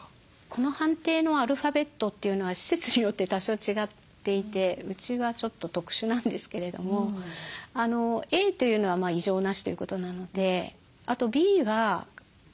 この判定のアルファベットというのは施設によって多少違っていてうちはちょっと特殊なんですけれどもＡというのは異常なしということなのであとＢは軽く変化はあるけど医療的な要素はないですよという話なので